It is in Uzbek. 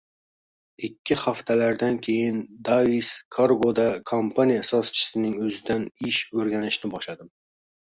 Ikki haftalardan keyin “Davis Cargo”da kompaniya asoschisining oʻzidan ish oʻrganishni boshladim.